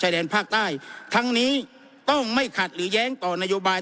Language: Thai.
แดนภาคใต้ทั้งนี้ต้องไม่ขัดหรือแย้งต่อนโยบาย